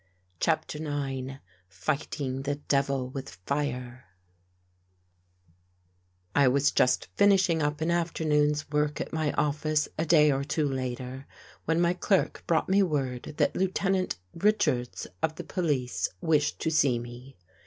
CHAPTER IX FIGHTING THE DEVIL WITH FIRE I WAS just finishing up an afternoon's work at my office a day or two later, when my clerk brought me word that Lieutenant Richards of the police wished to see me.